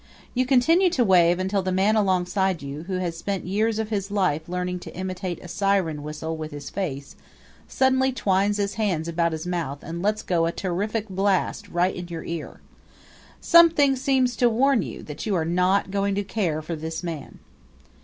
You continue to wave until the man alongside you, who has spent years of his life learning to imitate a siren whistle with his face, suddenly twines his hands about his mouth and lets go a terrific blast right in your ear. Something seems to warn you that you are not going to care for this man.